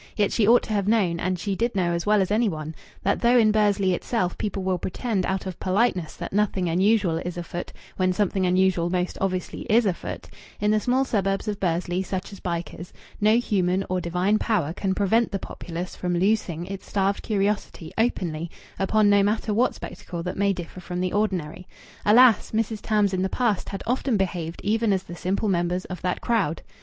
Yet she ought to have known, and she did know as well as any one, that though in Bursley itself people will pretend out of politeness that nothing unusual is afoot when something unusual most obviously is afoot, in the small suburbs of Bursley, such as Bycars, no human or divine power can prevent the populace from loosing its starved curiosity openly upon no matter what spectacle that may differ from the ordinary. Alas! Mrs. Tams in the past had often behaved even as the simple members of that crowd.